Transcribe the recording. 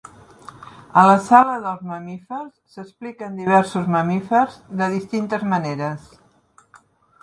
A la Sala dels mamífers s'expliquen diversos mamífers de distintes maneres.